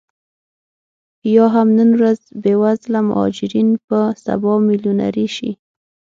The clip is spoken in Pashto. یا هم نن ورځ بې وزله مهاجرین به سبا میلیونرې شي